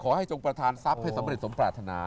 จงประธานทรัพย์ให้สำเร็จสมปรารถนา